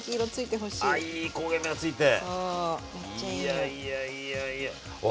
いやいやいやいや。わ